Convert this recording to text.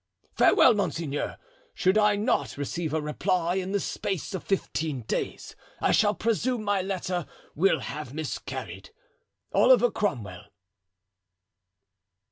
"Farewell, monseigneur; should I not receive a reply in the space of fifteen days, I shall presume my letter will have miscarried. "Oliver Cromwell."